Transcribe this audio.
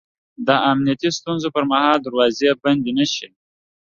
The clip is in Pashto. د امنیتي ستونزو پر مهال دروازې بندې نه شي